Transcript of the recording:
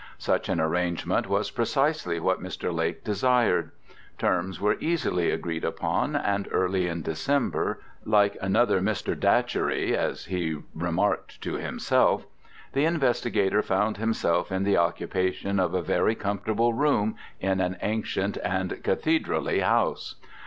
Such an arrangement was precisely what Mr. Lake desired. Terms were easily agreed upon, and early in December, like another Mr. Datchery (as he remarked to himself), the investigator found himself in the occupation of a very comfortable room in an ancient and "cathedraly" house.